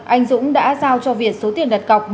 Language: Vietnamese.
anh dũng đã giao cho việt số tiền đặt cọc